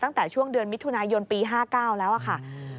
ตั้งแต่ช่วงเดือนมิถุนายนปี๕๙แล้วค่ะ